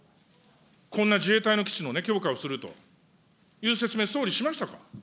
こんな自衛隊の基地の強化をするという説明、総理、しましたか。